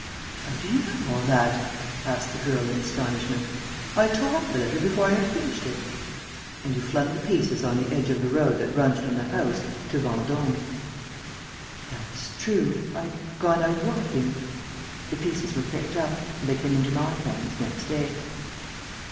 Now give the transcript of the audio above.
"How do you know all that?" asked the girl, in astonishment. "I tore up the letter before I had finished it." "And you flung the pieces on the edge of the road that runs from the house to Vendôme." "That's true.... I had gone out walking...." "The pieces were picked up and they came into my hands next day."